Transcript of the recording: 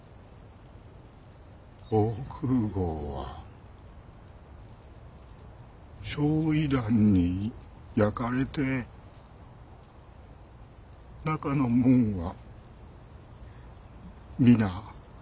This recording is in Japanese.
防空壕は焼夷弾に焼かれて中の者は皆。